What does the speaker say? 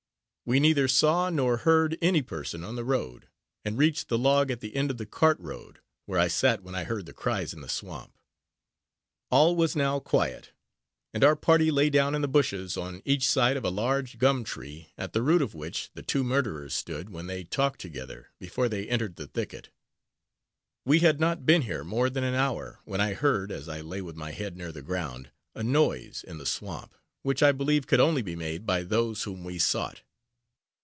We neither saw nor heard any person on the road, and reached the log at the end of the cart road, where I sat when I heard the cries in the swamp. All was now quiet, and our party lay down in the bushes on each side of a large gum tree, at the root of which the two murderers stood when they talked together, before they entered the thicket. We had not been here more than an hour, when I heard, as I lay with my head near the ground, a noise in the swamp, which I believed could only be made by those whom we sought.